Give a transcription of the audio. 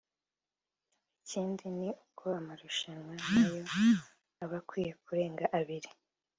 Ikindi ni uko amarushanwa na yo abakwiye kurenga abiri